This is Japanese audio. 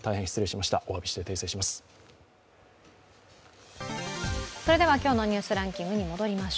おわびして訂正します。